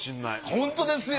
ホントですよ！